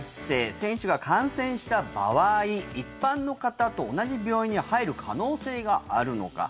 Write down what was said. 選手が感染した場合一般の方と同じ病院に入る可能性があるのか。